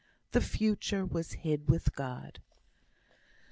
The future was hid with God.